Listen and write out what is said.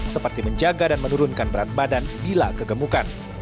seperti menjaga dan menurunkan berat badan bila kegemukan